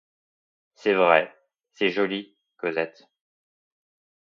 C’est vrai, c’est joli, Cosette.